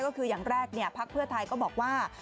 ก็คือยังแรกภักดิ์เพื่อไทยก็บอกว่า